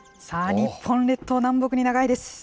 さあ、日本列島、南北に長いです。